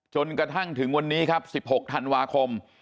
จนกระทั่งถึงวันนี้ครับ๑๖ธันวาคม